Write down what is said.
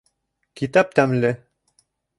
— Китап тәмле!